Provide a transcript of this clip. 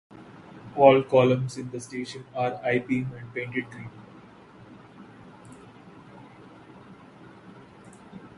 All columns in the station are I-beam and painted green.